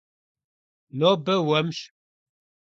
Нобэ уэмщ.